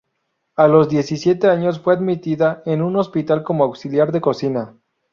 A los diecisiete años fue admitida en un hospital como auxiliar de cocina.